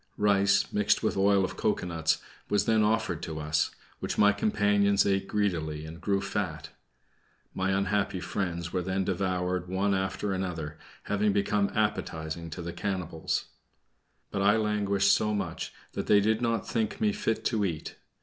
Rice, mixed with oil of cocoanuts, was then offered to us, which my companions ate greedily and grew fat. My unhappy friends were then devoured one after another, having become appetizing to the cannibals. But I languished so much that they did not think me fit to eat.